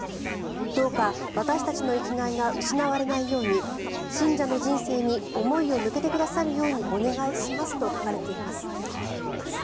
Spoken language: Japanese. どうか、私たちの生きがいが失われないように信者の人生に思いを向けてくださるようにお願いしますと書かれています。